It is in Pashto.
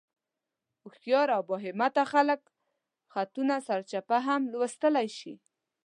هوښیار او بااحتیاطه خلک خطونه سرچپه هم لوستلی شي.